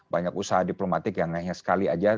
banyak usaha diplomatik yang hanya sekali saja